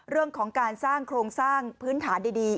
เรื่องของการสร้างโครงสร้างพื้นฐานดี